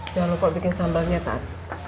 jangan lupa bikin sambalnya taat